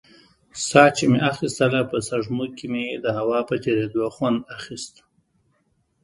ساه چې مې اخيستله په سپږمو کښې مې د هوا په تېرېدو خوند اخيست.